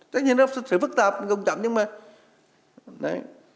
tất nhiên nó sẽ phức tạp vô cùng chậm nhưng mà